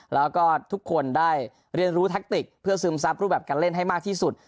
แล้วก็ทุกคนได้เรียนรู้แทคติกเพื่อซึมซับรูปแบบการเล่นให้มากที่สุด